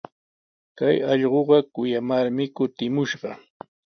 Kay allquqa kuyamarmi kutimushqa.